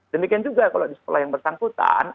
demikian juga kalau di sekolah yang bersangkutan